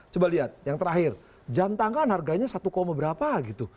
coba lihat yang terakhir jam tangan harganya satu berapa gitu